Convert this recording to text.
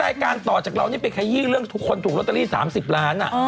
รายการต่อจากเรานี่ไปขยี้เรื่องทุกคนถูกลอตเตอรี่๓๐ล้าน